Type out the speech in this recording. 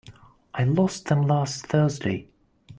I lost them last Thursday.